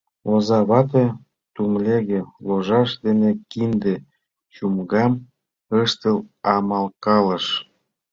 Оза вате тумлеге ложаш дене кинде чумгам ыштыл амалкалыш.